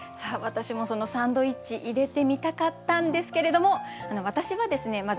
私もその「サンドイッチ」入れてみたかったんですけれども私はですね